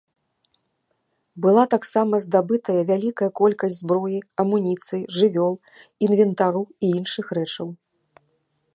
Была таксама здабытая вялікая колькасць зброі, амуніцыі, жывёл, інвентару і іншых рэчаў.